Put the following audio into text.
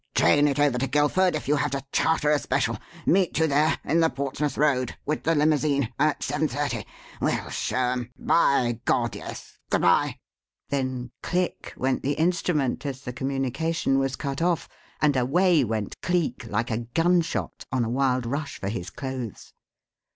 Train it over to Guildford if you have to charter a special. Meet you there in the Portsmouth Road with the limousine at seven thirty. We'll show 'em by God, yes! Good bye!" Then "click!" went the instrument as the communication was cut off, and away went Cleek, like a gunshot, on a wild rush for his clothes.